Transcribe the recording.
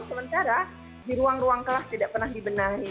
sementara di ruang ruang kelas tidak pernah dibenahi